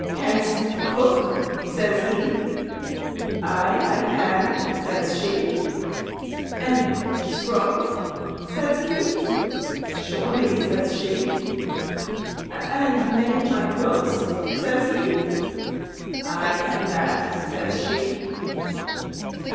"Can'st cook?" says he. "Ay, I can," says she. "And scrub?" says he. "Surely," says she. "And mend my clouts?" says he. "I can that," says she.